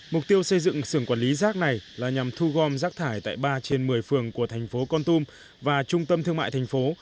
mục tiêu xây dựng sườn quản lý rác này là nhằm thu gom rác thải tại ba trên một mươi phường của thành phố con tum và trung tâm thương mại thành phố